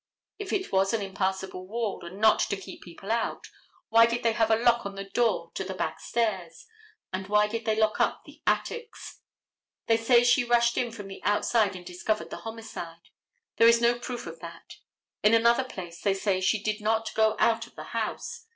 If it was an impassable wall, and not to keep people out, why did they have a lock on the door to the back stairs, and why did they lock up the attics? They say she rushed in from the outside and discovered the homicide. There is no proof of that. In another place they say she did not go out of the house.